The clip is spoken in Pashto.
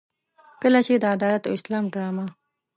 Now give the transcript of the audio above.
کله چې د عدالت او اسلام ډرامه.